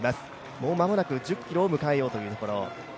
もう間もなく１０ｋｍを迎えようというところ。